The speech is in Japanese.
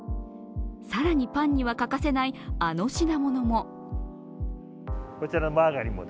更に、パンには欠かせないあの品物も。